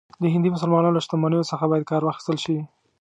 د هندي مسلمانانو له شتمنیو څخه باید کار واخیستل شي.